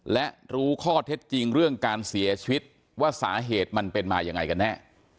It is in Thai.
และรู้ข้อเท็จจริงเรื่องการเสียชีวิตว่าสาเหตุมันเป็นมายังไงกันแน่